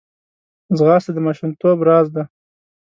ځغاسته د ماشومتوب راز دی